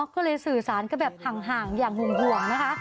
ก็เลยสื่อสารแบบห่างอย่างหุ่มหวน